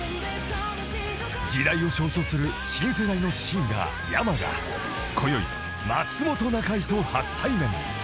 ［時代を象徴する新世代のシンガーｙａｍａがこよい松本中居と初対面］